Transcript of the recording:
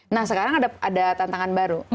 nah sekarang ada tantangan baru